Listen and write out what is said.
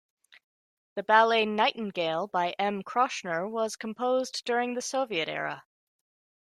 The ballet "Nightingale" by M. Kroshner was composed during the Soviet era.